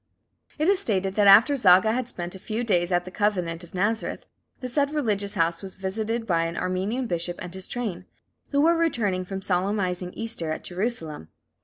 It is stated that after Zaga had spent a few days at the Convent of Nazareth, the said religious house was visited by an Armenian bishop and his train, who were returning from solemnizing Easter at Jerusalem.